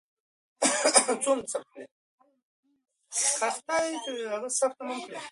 که خاوره ونه څنډل شي نو آس به ترې لاندې شي.